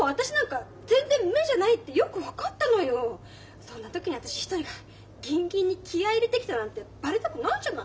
そんな時に私一人がギンギンに気合い入れてきたなんてバレたくないじゃない。